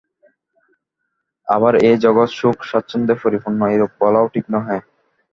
আবার এই জগৎ সুখ-স্বাচ্ছন্দ্যে পরিপূর্ণ, এরূপ বলাও ঠিক নহে।